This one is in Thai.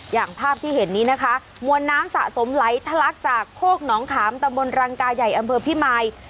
อย่างภาพที่เห็นนี้นะคะมวลน้ำสะสมไหลทะลักจากโคกหนองขามตะบนรังกาใหญ่อำเภอพิมาย